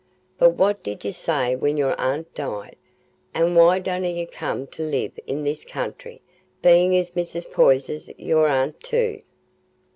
But what did ye do when your aunt died, an' why didna ye come to live in this country, bein' as Mrs. Poyser's your aunt too?"